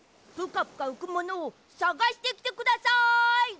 ぷかぷかうくものをさがしてきてください！